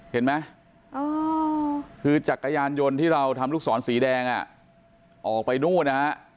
เห็นไหมคือจักรยานยนต์ที่เราทำลูกศรสีแดงออกไปนู่นนะฮะ